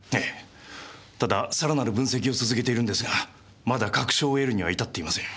ただ更なる分析を続けているんですがまだ確証を得るには至っていません。